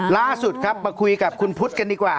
ล่าสุดครับมาคุยกับคุณพุทธกันดีกว่า